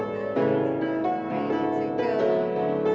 mbak desi nyanyi